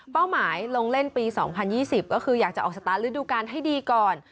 หมายลงเล่นปี๒๐๒๐ก็คืออยากจะออกสตาร์ทฤดูการให้ดีก่อน